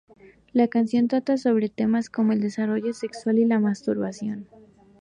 La canción trata sobre temas como el desarrollo sexual y la masturbación.